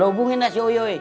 lu hubungin lah si uyuy